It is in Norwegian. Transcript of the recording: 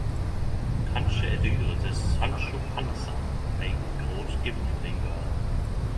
Kanskje er dyret til Sancho Panza ein gråskimmel likevel?